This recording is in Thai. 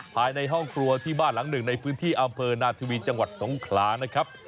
ภายในห้องครัวที่บ้านหลังหนึ่งในพื้นที่อำเภอนาธวีจังหวัดสงขลานะครับ